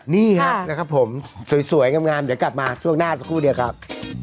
นี่ครับนะครับผมสวยงามเดี๋ยวกลับมาช่วงหน้าสักครู่เดียวครับ